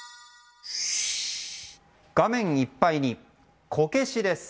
画面いっぱいに、こけしです。